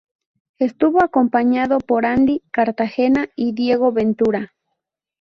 Estuvo acompañado por Andy Cartagena y Diego Ventura.